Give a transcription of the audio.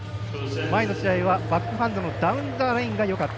前の試合はバックハンドのダウンザラインがよかった。